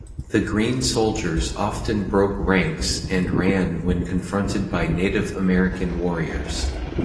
The green soldiers often broke ranks and ran when confronted by Native American warriors.